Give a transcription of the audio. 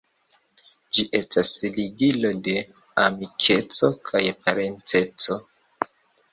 Ĝi estas ligilo de amikeco kaj parenceco.